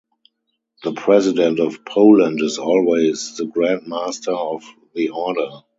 The President of Poland is always the Grand Master of the Order.